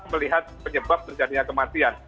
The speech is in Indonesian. melihat penyebab terjadinya kematian